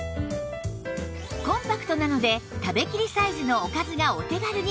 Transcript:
コンパクトなので食べきりサイズのおかずがお手軽に